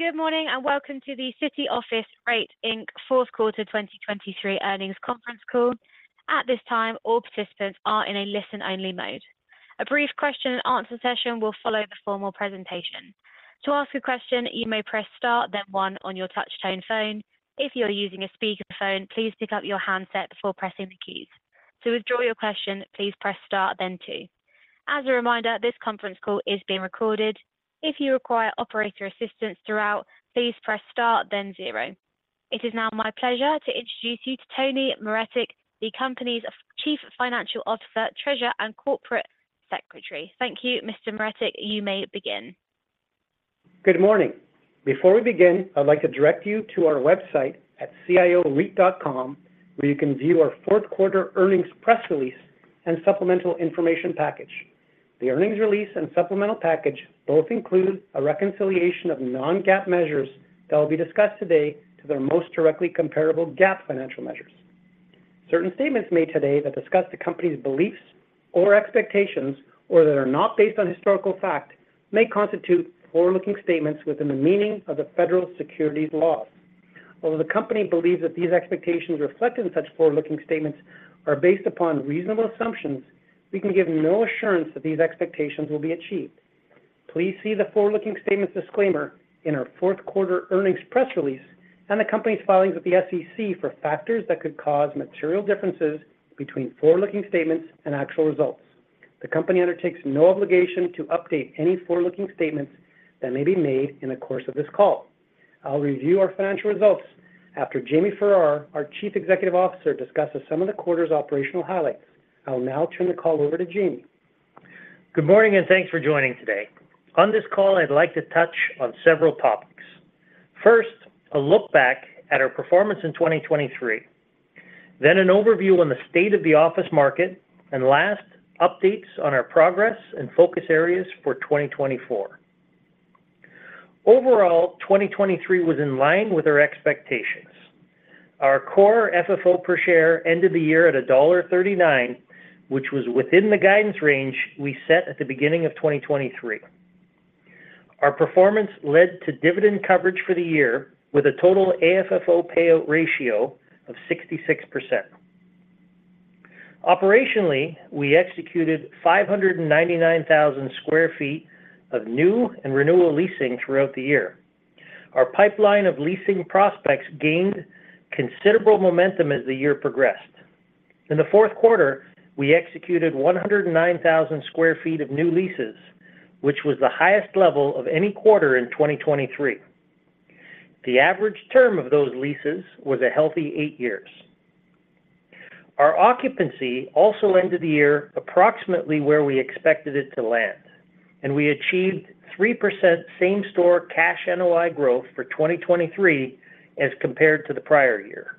Good morning, and welcome to the City Office REIT, Inc Fourth Quarter 2023 Earnings Conference Call. At this time, all participants are in a listen-only mode. A brief question-and-answer session will follow the formal presentation. To ask a question, you may press star, then one on your touchtone phone. If you're using a speakerphone, please pick up your handset before pressing the keys. To withdraw your question, please press star, then two. As a reminder, this conference call is being recorded. If you require operator assistance throughout, please press star, then zero. It is now my pleasure to introduce you to Tony Maretic, the company's Chief Financial Officer, Treasurer, and Corporate Secretary. Thank you, Mr. Maretic. You may begin. Good morning. Before we begin, I'd like to direct you to our website at cioreit.com, where you can view our fourth quarter earnings press release and supplemental information package. The earnings release and supplemental package both include a reconciliation of non-GAAP measures that will be discussed today to their most directly comparable GAAP financial measures. Certain statements made today that discuss the company's beliefs or expectations, or that are not based on historical fact, may constitute forward-looking statements within the meaning of the federal securities laws. Although the company believes that these expectations reflected in such forward-looking statements are based upon reasonable assumptions, we can give no assurance that these expectations will be achieved. Please see the forward-looking statements disclaimer in our fourth quarter earnings press release and the company's filings with the SEC for factors that could cause material differences between forward-looking statements and actual results. The company undertakes no obligation to update any forward-looking statements that may be made in the course of this call. I'll review our financial results after Jamie Farrar, our Chief Executive Officer, discusses some of the quarter's operational highlights. I'll now turn the call over to Jamie. Good morning, and thanks for joining today. On this call, I'd like to touch on several topics. First, a look back at our performance in 2023, then an overview on the state of the office market, and last, updates on our progress and focus areas for 2024. Overall, 2023 was in line with our expectations. Our Core FFO per share ended the year at $1.39, which was within the guidance range we set at the beginning of 2023. Our performance led to dividend coverage for the year with a total AFFO payout ratio of 66%. Operationally, we executed 599,000 sq ft of new and renewal leasing throughout the year. Our pipeline of leasing prospects gained considerable momentum as the year progressed. In the fourth quarter, we executed 109,000 sq ft of new leases, which was the highest level of any quarter in 2023. The average term of those leases was a healthy eight years. Our occupancy also ended the year approximately where we expected it to land, and we achieved 3% same-store Cash NOI growth for 2023 as compared to the prior year.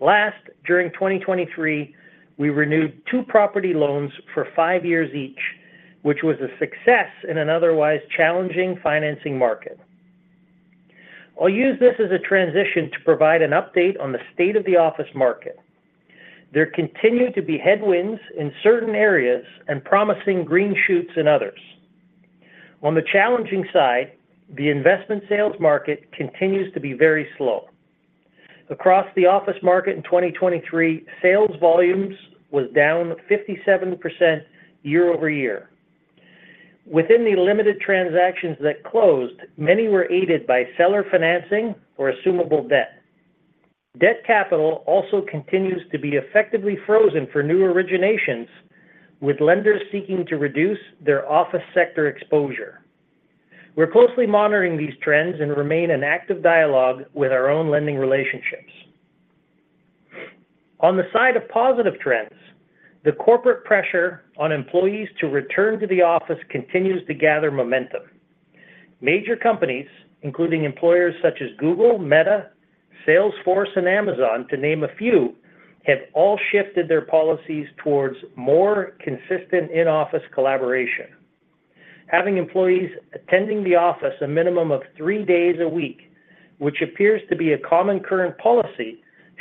Last, during 2023, we renewed two property loans for five years each, which was a success in an otherwise challenging financing market. I'll use this as a transition to provide an update on the state of the office market. There continue to be headwinds in certain areas and promising green shoots in others. On the challenging side, the investment sales market continues to be very slow. Across the office market in 2023, sales volumes was down 57% year-over-year. Within the limited transactions that closed, many were aided by seller financing or assumable debt. Debt capital also continues to be effectively frozen for new originations, with lenders seeking to reduce their office sector exposure. We're closely monitoring these trends and remain in active dialogue with our own lending relationships. On the side of positive trends, the corporate pressure on employees to return to the office continues to gather momentum. Major companies, including employers such as Google, Meta, Salesforce, and Amazon, to name a few, have all shifted their policies towards more consistent in-office collaboration. Having employees attending the office a minimum of three days a week, which appears to be a common current policy,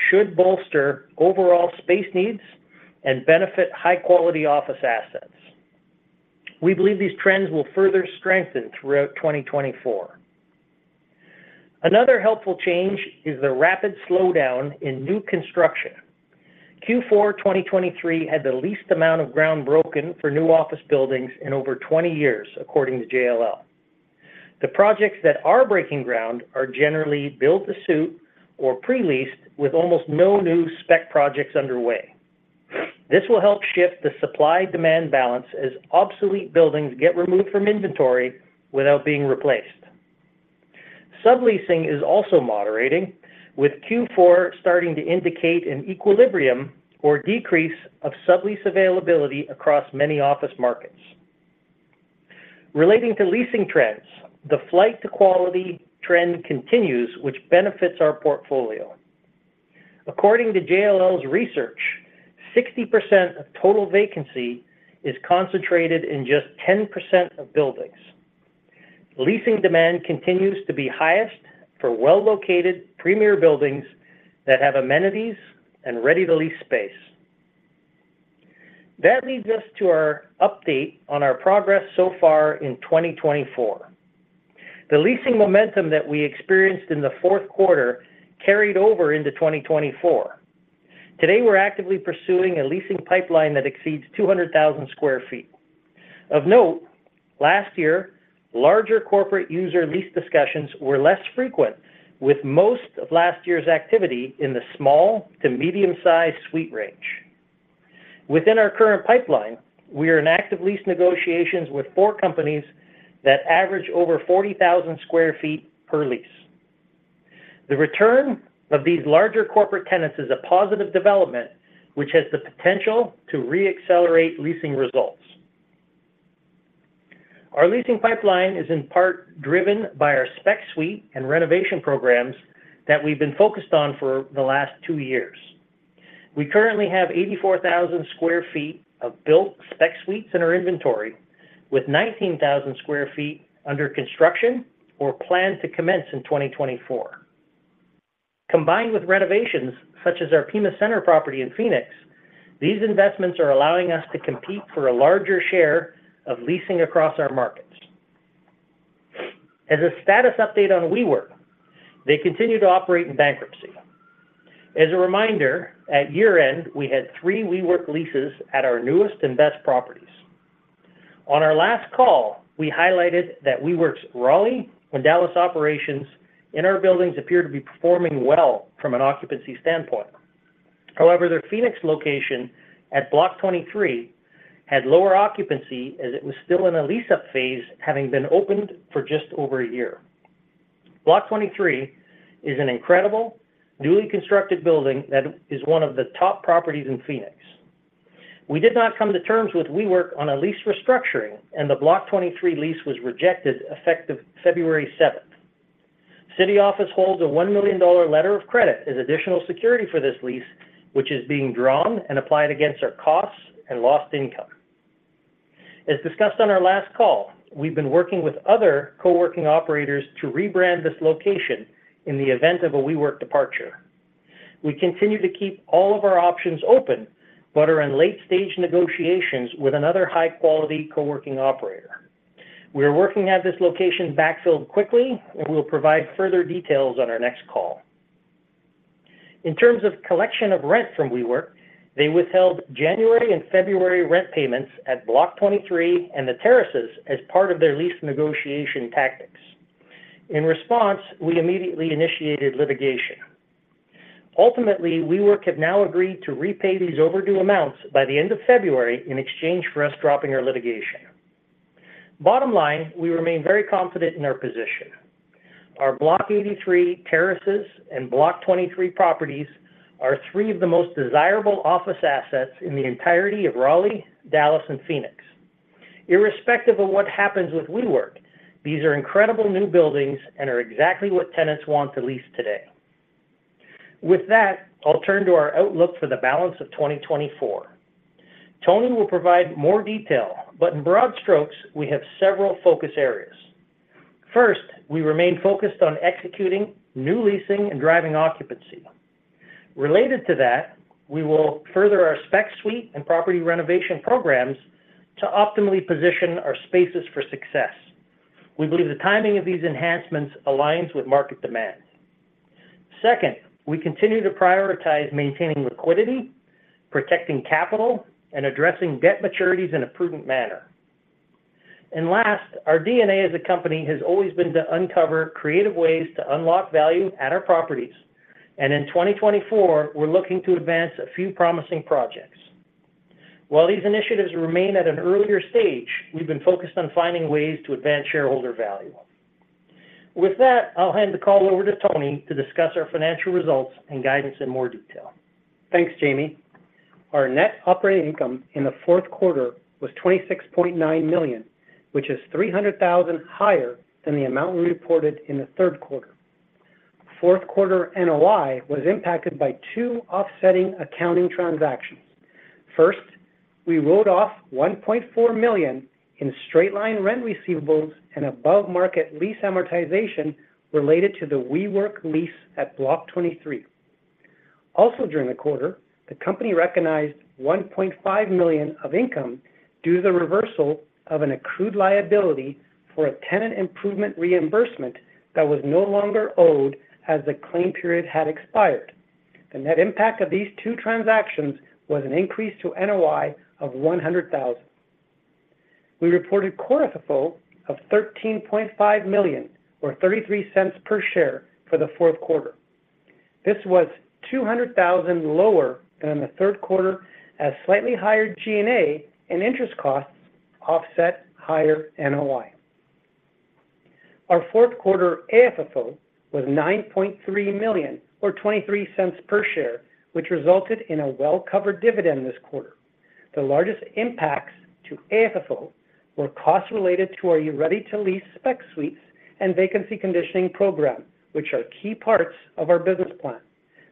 should bolster overall space needs and benefit high-quality office assets. We believe these trends will further strengthen throughout 2024. Another helpful change is the rapid slowdown in new construction. Q4 2023 had the least amount of ground broken for new office buildings in over 20 years, according to JLL. The projects that are breaking ground are generally build-to-suit or pre-leased, with almost no new spec projects underway. This will help shift the supply-demand balance as obsolete buildings get removed from inventory without being replaced. Subleasing is also moderating, with Q4 starting to indicate an equilibrium or decrease of sublease availability across many office markets. Relating to leasing trends, the flight to quality trend continues, which benefits our portfolio. According to JLL's research, 60% of total vacancy is concentrated in just 10% of buildings. Leasing demand continues to be highest for well-located premier buildings that have amenities and ready-to-lease space.... That leads us to our update on our progress so far in 2024. The leasing momentum that we experienced in the fourth quarter carried over into 2024. Today, we're actively pursuing a leasing pipeline that exceeds 200,000 sq ft. Of note, last year, larger corporate user lease discussions were less frequent, with most of last year's activity in the small to medium-sized suite range. Within our current pipeline, we are in active lease negotiations with four companies that average over 40,000 sq ft per lease. The return of these larger corporate tenants is a positive development, which has the potential to reaccelerate leasing results. Our leasing pipeline is in part driven by our spec suite and renovation programs that we've been focused on for the last two years. We currently have 84,000 sq ft of built spec suites in our inventory, with 19,000 sq ft under construction or planned to commence in 2024. Combined with renovations such as our Pima Center property in Phoenix, these investments are allowing us to compete for a larger share of leasing across our markets. As a status update on WeWork, they continue to operate in bankruptcy. As a reminder, at year-end, we had three WeWork leases at our newest and best properties. On our last call, we highlighted that WeWork's Raleigh and Dallas operations in our buildings appear to be performing well from an occupancy standpoint. However, their Phoenix location at Block 23 had lower occupancy as it was still in a lease-up phase, having been opened for just over a year. Block 23 is an incredible, newly constructed building that is one of the top properties in Phoenix. We did not come to terms with WeWork on a lease restructuring, and the Block 23 lease was rejected effective February seventh. City Office holds a $1 million letter of credit as additional security for this lease, which is being drawn and applied against our costs and lost income. As discussed on our last call, we've been working with other coworking operators to rebrand this location in the event of a WeWork departure. We continue to keep all of our options open, but are in late stage negotiations with another high-quality coworking operator. We are working to have this location backfilled quickly, and we'll provide further details on our next call. In terms of collection of rent from WeWork, they withheld January and February rent payments at Block 23 and The Terraces as part of their lease negotiation tactics. In response, we immediately initiated litigation. Ultimately, WeWork have now agreed to repay these overdue amounts by the end of February in exchange for us dropping our litigation. Bottom line, we remain very confident in our position. Our Block 83, Terraces, and Block 23 properties are three of the most desirable office assets in the entirety of Raleigh, Dallas, and Phoenix. Irrespective of what happens with WeWork, these are incredible new buildings and are exactly what tenants want to lease today. With that, I'll turn to our outlook for the balance of 2024. Tony will provide more detail, but in broad strokes, we have several focus areas. First, we remain focused on executing new leasing and driving occupancy. Related to that, we will further our spec suite and property renovation programs to optimally position our spaces for success. We believe the timing of these enhancements aligns with market demand. Second, we continue to prioritize maintaining liquidity, protecting capital, and addressing debt maturities in a prudent manner. And last, our DNA as a company has always been to uncover creative ways to unlock value at our properties, and in 2024, we're looking to advance a few promising projects. While these initiatives remain at an earlier stage, we've been focused on finding ways to advance shareholder value. With that, I'll hand the call over to Tony to discuss our financial results and guidance in more detail. Thanks, Jamie. Our Net Operating Income in the fourth quarter was $26.9 million, which is $300,000 higher than the amount we reported in the third quarter. Fourth quarter NOI was impacted by two offsetting accounting transactions. First, we wrote off $1.4 million in straight-line rent receivables and above-market lease amortization related to the WeWork lease at Block 23. Also during the quarter, the company recognized $1.5 million of income due to the reversal of an accrued liability for a tenant improvement reimbursement that was no longer owed as the claim period had expired. The net impact of these two transactions was an increase to NOI of $100,000. We reported core AFFO of $13.5 million, or $0.33 per share for the fourth quarter. This was $200,000 lower than in the third quarter, as slightly higher G&A and interest costs offset higher NOI. Our fourth quarter AFFO was $9.3 million, or $0.23 per share, which resulted in a well-covered dividend this quarter. The largest impacts to AFFO were costs related to our ready-to-lease spec suites and vacancy conditioning program, which are key parts of our business plan.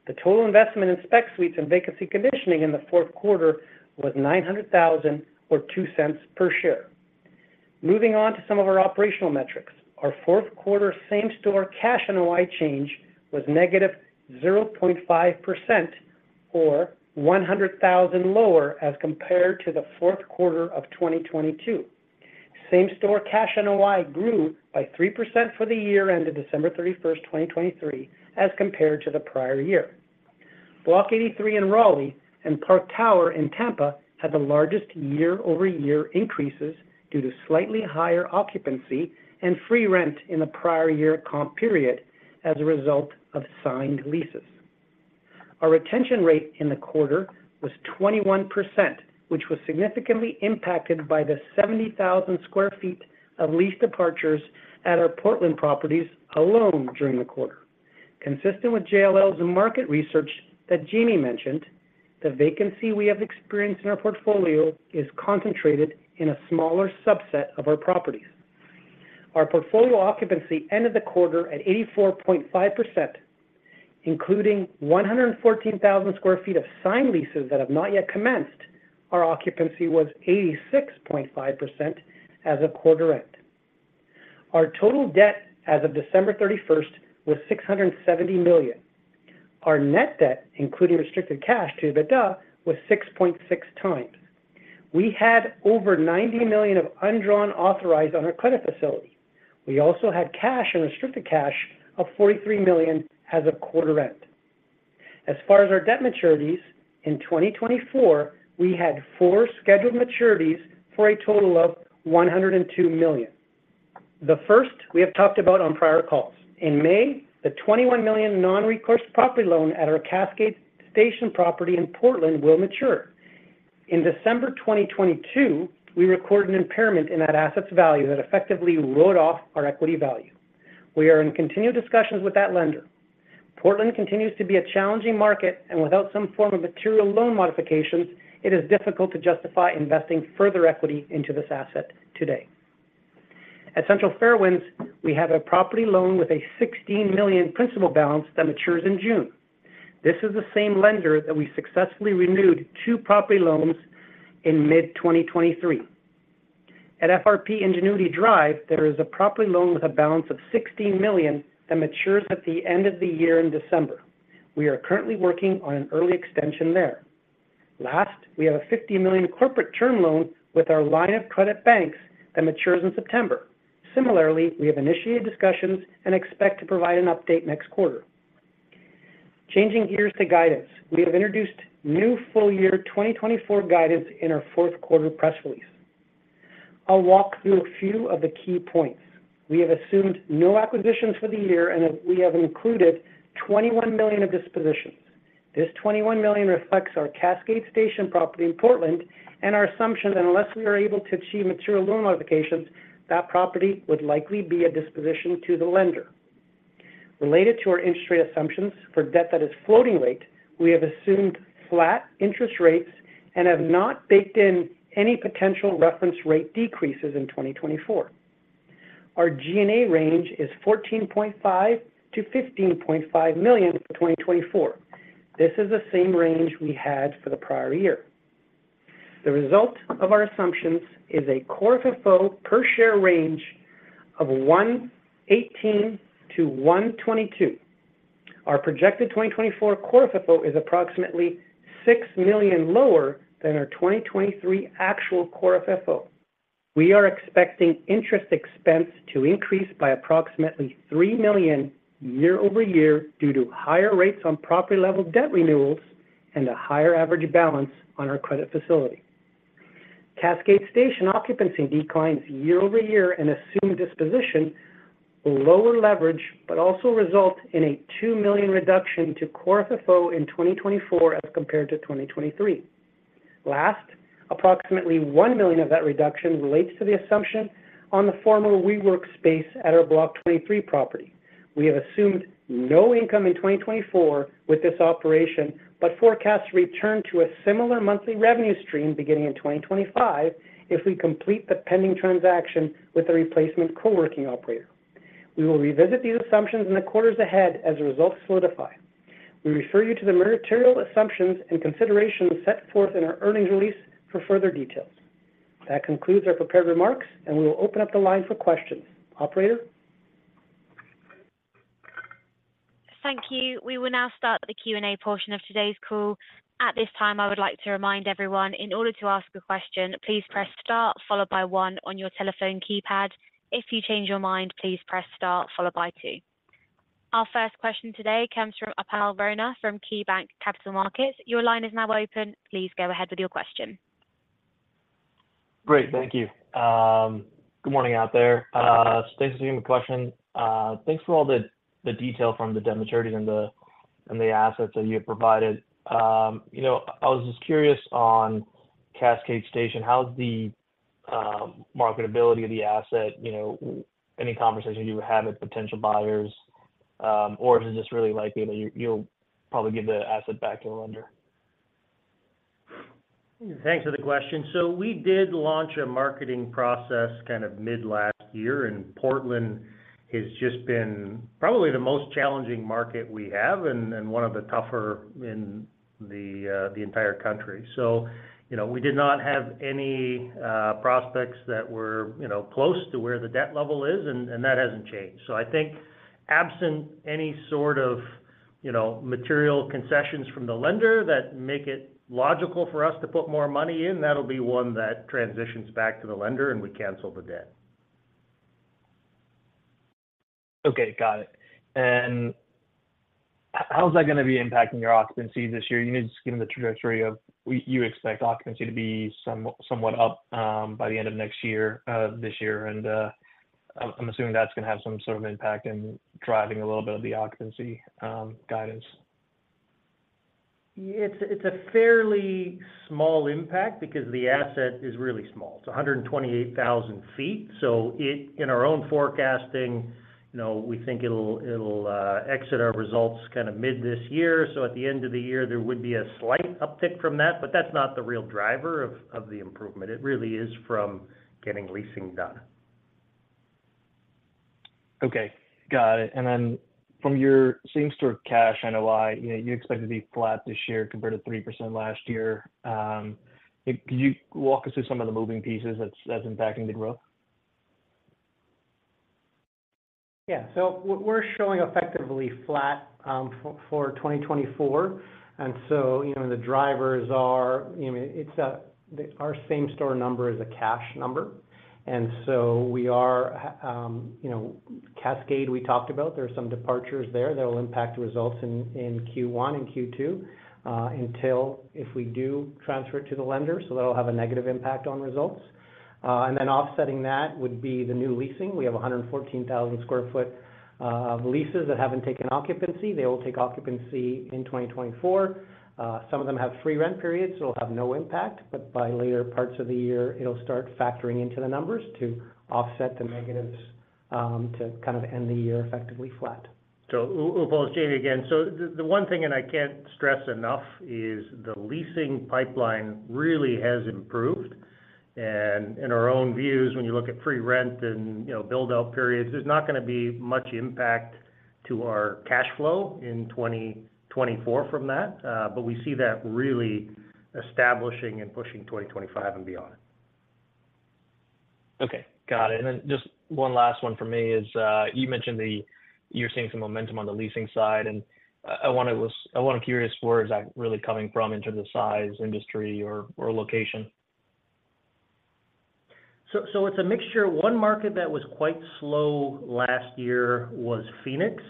The total investment in spec suites and vacancy conditioning in the fourth quarter was $900,000 or $0.02 per share. Moving on to some of our operational metrics. Our fourth quarter same-store cash NOI change was -0.5% or $100,000 lower as compared to the fourth quarter of 2022. Same-store cash NOI grew by 3% for the year ended December 31st, 2023, as compared to the prior year. Block 83 in Raleigh and Park Tower in Tampa had the largest year-over-year increases due to slightly higher occupancy and free rent in the prior year comp period as a result of signed leases. Our retention rate in the quarter was 21%, which was significantly impacted by the 70,000 sq ft of lease departures at our Portland properties alone during the quarter. Consistent with JLL's market research that Jamie mentioned, the vacancy we have experienced in our portfolio is concentrated in a smaller subset of our properties. Our portfolio occupancy ended the quarter at 84.5%, including 114,000 sq ft of signed leases that have not yet commenced. Our occupancy was 86.5% as of quarter end. Our total debt as of December 31st was $670 million. Our net debt, including restricted cash to EBITDA, was 6.6x. We had over $90 million of undrawn authorized on our credit facility. We also had cash and restricted cash of $43 million as of quarter end. As far as our debt maturities, in 2024, we had four scheduled maturities for a total of $102 million. The first, we have talked about on prior calls. In May, the $21 million non-recourse property loan at our Cascade Station property in Portland will mature. In December 2022, we recorded an impairment in that asset's value that effectively wrote off our equity value. We are in continued discussions with that lender. Portland continues to be a challenging market, and without some form of material loan modifications, it is difficult to justify investing further equity into this asset today. At Central Fairwinds, we have a property loan with a $16 million principal balance that matures in June. This is the same lender that we successfully renewed two property loans in mid-2023. At FRP Ingenuity Drive, there is a property loan with a balance of $16 million that matures at the end of the year in December. We are currently working on an early extension there. Last, we have a $50 million corporate term loan with our line of credit banks that matures in September. Similarly, we have initiated discussions and expect to provide an update next quarter. Changing gears to guidance. We have introduced new full year 2024 guidance in our fourth quarter press release. I'll walk through a few of the key points. We have assumed no acquisitions for the year, and we have included $21 million of dispositions. This $21 million reflects our Cascade Station property in Portland and our assumption that unless we are able to achieve material loan modifications, that property would likely be a disposition to the lender. Related to our interest rate assumptions for debt that is floating rate, we have assumed flat interest rates and have not baked in any potential reference rate decreases in 2024. Our G&A range is $14.5 million-$15.5 million for 2024. This is the same range we had for the prior year. The result of our assumptions is a core FFO per share range of $1.18-$1.22. Our projected 2024 core FFO is approximately $6 million lower than our 2023 actual core FFO. We are expecting interest expense to increase by approximately $3 million year-over-year due to higher rates on property-level debt renewals and a higher average balance on our credit facility. Cascade Station occupancy declines year-over-year and assumed disposition will lower leverage, but also result in a $2 million reduction to Core FFO in 2024 as compared to 2023. Last, approximately $1 million of that reduction relates to the assumption on the former WeWork space at our Block 23 property. We have assumed no income in 2024 with this operation, but forecast to return to a similar monthly revenue stream beginning in 2025 if we complete the pending transaction with a replacement coworking operator. We will revisit these assumptions in the quarters ahead as the results solidify. We refer you to the material assumptions and considerations set forth in our earnings release for further details. That concludes our prepared remarks, and we will open up the line for questions. Operator? Thank you. We will now start the Q&A portion of today's call. At this time, I would like to remind everyone, in order to ask a question, please press star, followed by one on your telephone keypad. If you change your mind, please press star followed by two. Our first question today comes from Upal Rana from KeyBanc Capital Markets. Your line is now open. Please go ahead with your question. Great. Thank you. Good morning out there. Thanks for taking the question. Thanks for all the detail from the debt maturities and the assets that you have provided. You know, I was just curious on Cascade Station, how's the marketability of the asset? You know, any conversation you had with potential buyers, or is it just really likely that you'll probably give the asset back to the lender?... Thanks for the question. So we did launch a marketing process kind of mid last year, and Portland has just been probably the most challenging market we have, and one of the tougher in the entire country. So, you know, we did not have any prospects that were, you know, close to where the debt level is, and that hasn't changed. So I think absent any sort of, you know, material concessions from the lender that make it logical for us to put more money in, that'll be one that transitions back to the lender and we cancel the debt. Okay, got it. And how is that gonna be impacting your occupancy this year? You need to just give me the trajectory of, you expect occupancy to be somewhat up, by the end of next year, this year. And, I'm assuming that's gonna have some sort of impact in driving a little bit of the occupancy, guidance. It's a fairly small impact because the asset is really small. It's 128,000 sq ft, so in our own forecasting, you know, we think it'll exit our results kind of mid this year. So at the end of the year, there would be a slight uptick from that, but that's not the real driver of the improvement. It really is from getting leasing done. Okay, got it. And then from your same-store Cash NOI, you know, you expect it to be flat this year compared to 3% last year. Could you walk us through some of the moving pieces that's impacting the growth? Yeah. So we're showing effectively flat for 2024. And so, you know, the drivers are, you know, it's our same-store number is a cash number, and so we are, you know, Cascade, we talked about. There are some departures there that will impact results in Q1 and Q2 until if we do transfer it to the lender, so that'll have a negative impact on results. And then offsetting that would be the new leasing. We have a 114,000 sq ft leases that haven't taken occupancy. They will take occupancy in 2024. Some of them have free rent periods, so it'll have no impact, but by later parts of the year, it'll start factoring into the numbers to offset the negatives to kind of end the year effectively flat. So Upal, it's Jamie again. So the one thing, and I can't stress enough, is the leasing pipeline really has improved. In our own views, when you look at free rent and, you know, build-out periods, there's not gonna be much impact to our cash flow in 2024 from that, but we see that really establishing and pushing 2025 and beyond. Okay, got it. And then just one last one for me is, you mentioned you're seeing some momentum on the leasing side, and I'm curious, where is that really coming from in terms of size, industry, or, or location? So it's a mixture. One market that was quite slow last year was Phoenix.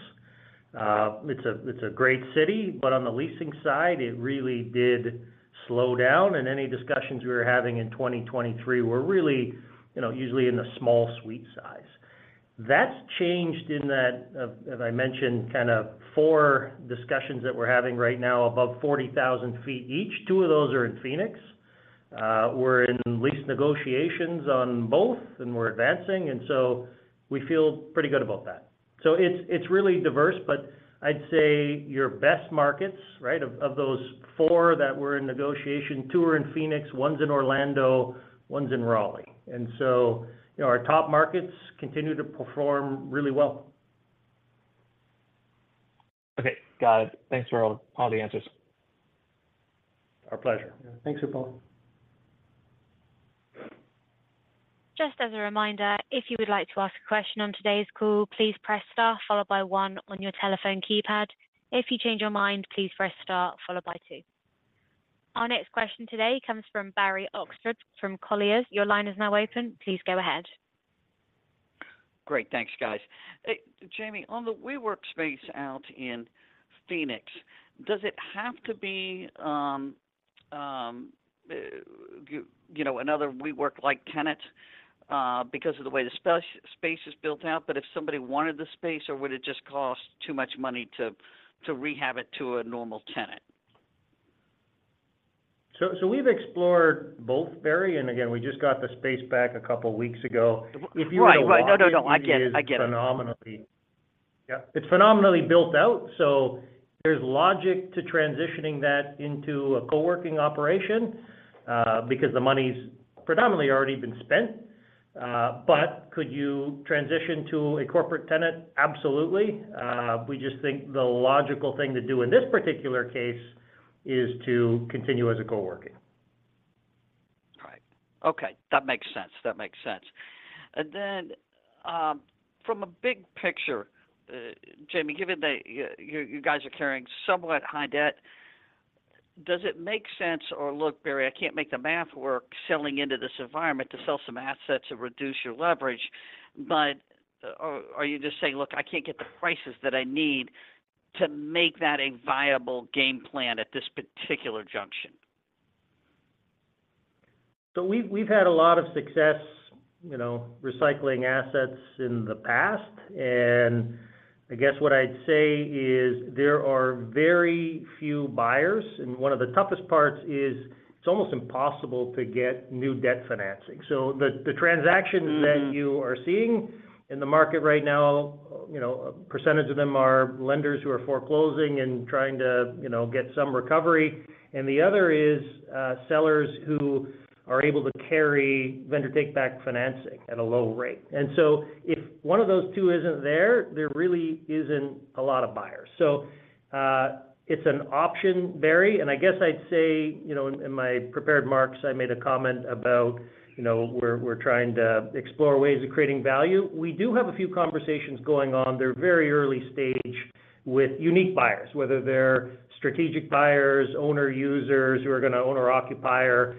It's a great city, but on the leasing side, it really did slow down, and any discussions we were having in 2023 were really, you know, usually in the small suite size. That's changed in that, as I mentioned, kind of four discussions that we're having right now, above 40,000 ft each. Two of those are in Phoenix. We're in lease negotiations on both, and we're advancing, and so we feel pretty good about that. So it's really diverse, but I'd say your best markets, right, of those four that were in negotiation, two are in Phoenix, one's in Orlando, one's in Raleigh. And so, you know, our top markets continue to perform really well. Okay, got it. Thanks for all, all the answers. Our pleasure. Yeah. Thanks, Upal. Just as a reminder, if you would like to ask a question on today's call, please press star followed by one on your telephone keypad. If you change your mind, please press star followed by two. Our next question today comes from Barry Oxford from Colliers. Your line is now open. Please go ahead. Great. Thanks, guys. Jamie, on the WeWork space out in Phoenix, does it have to be, you know, another WeWork-like tenant, because of the way the space is built out, but if somebody wanted the space, or would it just cost too much money to rehab it to a normal tenant? So, we've explored both, Barry, and again, we just got the space back a couple weeks ago. Right. Right. If you were to- No, no, no, I get it. phenomenally... Yeah, it's phenomenally built out, so there's logic to transitioning that into a coworking operation, because the money's predominantly already been spent. But could you transition to a corporate tenant? Absolutely. We just think the logical thing to do in this particular case is to continue as a coworking. Right. Okay, that makes sense. That makes sense. And then, from a big picture, Jamie, given that you guys are carrying somewhat high debt, does it make sense? Or look, Barry, I can't make the math work selling into this environment to sell some assets and reduce your leverage. But, are you just saying, "Look, I can't get the prices that I need to make that a viable game plan at this particular junction? So we've had a lot of success, you know, recycling assets in the past, and I guess what I'd say is there are very few buyers, and one of the toughest parts is it's almost impossible to get new debt financing. So the transactions- Mm-hmm. that you are seeing in the market right now are, you know, a percentage of them are lenders who are foreclosing and trying to, you know, get some recovery, and the other is sellers who are able to carry vendor takeback financing at a low rate. And so if one of those two isn't there, there really isn't a lot of buyers. So, it's an option, Barry, and I guess I'd say, you know, in my prepared remarks, I made a comment about, you know, we're trying to explore ways of creating value. We do have a few conversations going on. They're very early stage with unique buyers, whether they're strategic buyers, owner users, who are gonna own or occupy or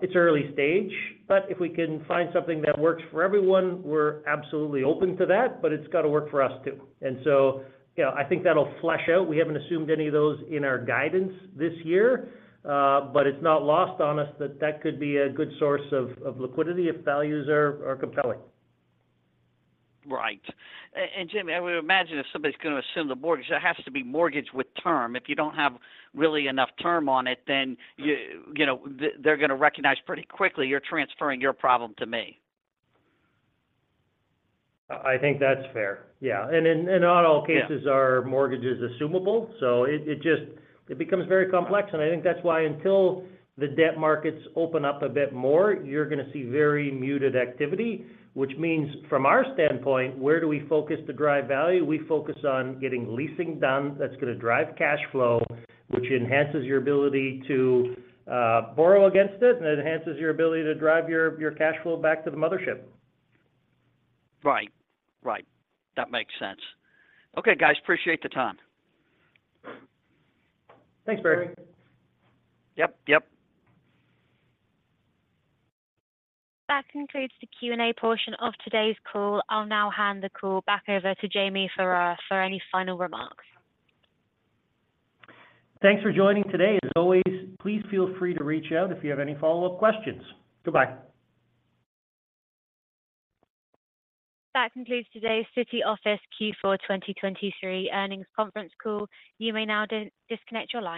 it's early stage, but if we can find something that works for everyone, we're absolutely open to that, but it's got to work for us, too. And so, you know, I think that'll flesh out. We haven't assumed any of those in our guidance this year, but it's not lost on us that that could be a good source of liquidity if values are compelling. Right. And, Jamie, I would imagine if somebody's gonna assume the mortgage, there has to be mortgage with term. If you don't have really enough term on it, then, you know, they're gonna recognize pretty quickly, you're transferring your problem to me. I think that's fair. Yeah, and in not all cases- Yeah Our mortgage is assumable, so it just becomes very complex, and I think that's why until the debt markets open up a bit more, you're gonna see very muted activity, which means from our standpoint, where do we focus to drive value? We focus on getting leasing done that's gonna drive cash flow, which enhances your ability to borrow against it, and it enhances your ability to drive your cash flow back to the mothership. Right. Right, that makes sense. Okay, guys, appreciate the time. Thanks, Barry. Yep, yep. That concludes the Q&A portion of today's call. I'll now hand the call back over to Jamie for, for any final remarks. Thanks for joining today. As always, please feel free to reach out if you have any follow-up questions. Goodbye. That concludes today's City Office Q4 2023 Earnings Conference Call. You may now disconnect your lines.